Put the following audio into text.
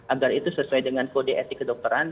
agar itu sesuai dengan kode etik kedokteran